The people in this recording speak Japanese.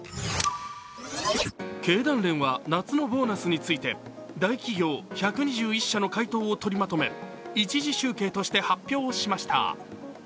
経団連は夏のボーナスについて大企業１２１社の回答を取りまとめ１次集計として発表しました。